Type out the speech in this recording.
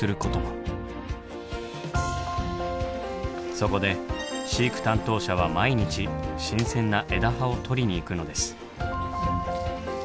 そこで飼育担当者は毎日新鮮な枝葉をとりに行くのです。